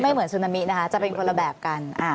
เหมือนซูนามินะคะจะเป็นคนละแบบกัน